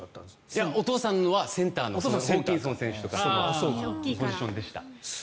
いや、お父さんはセンターホーキンソンさんとかのポジションでした。